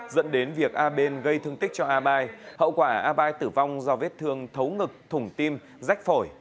dẫn đến việc a bên gây thương tích cho a bai hậu quả a bai tử vong do vết thương thấu ngực thủng tim rách phổi